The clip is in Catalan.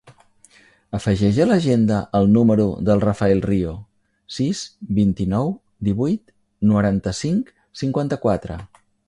Afegeix a l'agenda el número del Rafael Rio: sis, vint-i-nou, divuit, noranta-cinc, cinquanta-quatre.